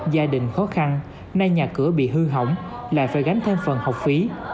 gia đình khó khăn nay nhà cửa bị hư hỏng lại phải gánh thêm phần học phí